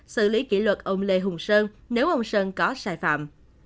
xử lý kỷ luật ông lê hùng sơn nếu ông sơn có sai phạm